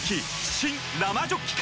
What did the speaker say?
新・生ジョッキ缶！